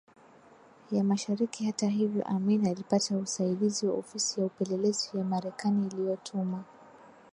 ya Mashariki Hata hivyo Amin alipata usaidizi wa ofisi ya upelelezi ya Marekani iliyotuma